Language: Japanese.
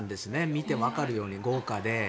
見てわかるように豪華で。